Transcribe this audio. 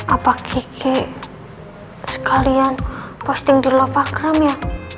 apa kiki sekalian posting di loveagram ya